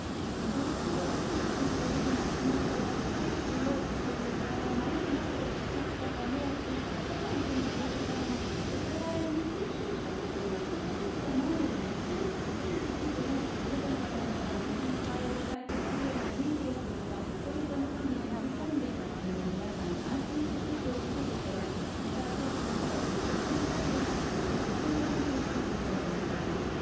この同調圧力といった部分につきましては、接種を、そういう迷う中で打つ方も、それから打たない選択をする方も、お互いに接種をしたことによった差別がないように、そういったことについても、保護者の方々のご心配を解決するようなリーフレットとか、そういったものに盛り込んで、皆さん、安心して接種を受けていただく、また、接種に対する選択をしていただく、そういった環境を作っていきたいと思っております。